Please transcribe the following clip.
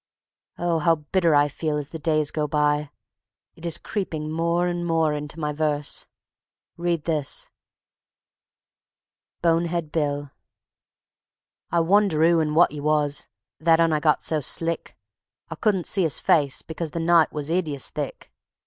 Oh, how bitter I feel as the days go by! It is creeping more and more into my verse. Read this: Bonehead Bill I wonder 'oo and wot 'e was, That 'Un I got so slick. I couldn't see 'is face because The night was 'ideous thick.